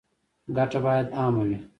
ګټه باید عامه وي